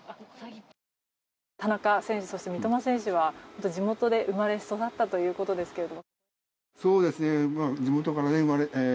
田中選手、三笘選手は地元で生まれ育ったということですけど。